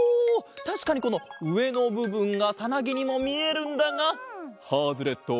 たしかにこのうえのぶぶんがさなぎにもみえるんだがハズレット！